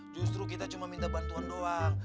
justru kita cuma minta bantuan doang